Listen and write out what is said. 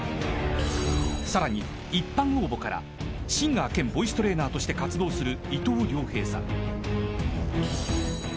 ［さらに一般応募からシンガー兼ボイストレーナーとして活動する］